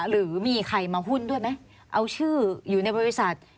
หรือมีใครมาหุ้นด้วยไหมเอาชื่ออยู่ในบริษัท